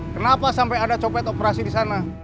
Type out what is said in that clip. kenapa sampai ada copet operasi di sana